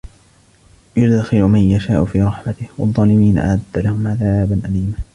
يدخل من يشاء في رحمته والظالمين أعد لهم عذابا أليما